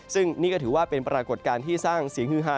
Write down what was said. ซึ่งนี่ก็ถือว่าเป็นปรากฏการณ์ที่สร้างเสียงฮือฮา